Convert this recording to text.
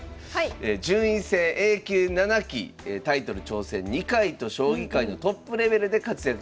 順位戦Ａ級７期タイトル挑戦２回と将棋界のトップレベルで活躍されました。